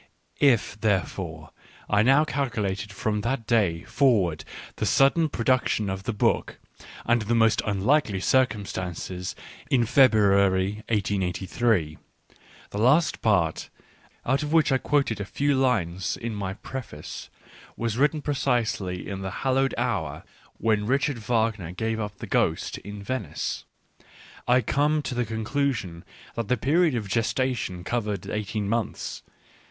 If, therefore, I now calculate from that day for ward the sudden production of the book, under the most unlikely circumstances, in February 1 883, — the last part, out of which I quoted a few lines in my preface, was written precisely in the hal lowed hour when Richard Wagner gave up the ghost in Venice, — I come to the conclusion that the period of gestation covered eighteen months.